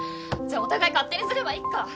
じゃあお互い勝手にすればいっか。